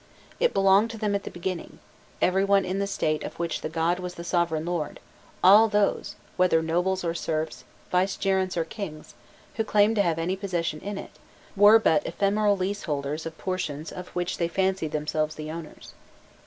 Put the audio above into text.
It belonged to them at the beginning; every one in the State of which the god was the sovereign lord, all those, whether nobles or serfs, vicegerents or kings, who claimed to have any possession in it, were but ephemeral lease holders of portions of which they fancied themselves the owners.